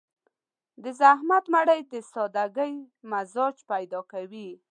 د زحمت مړۍ د سادهګي مزاج پيدا کوي.